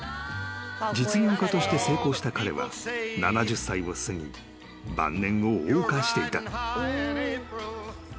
実業家として成功した彼は７０歳を過ぎ晩年を謳歌していた］